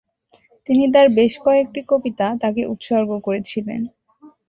তিনি তার বেশ কয়েকটি কবিতা তাকে উৎসর্গ করেছিলেন।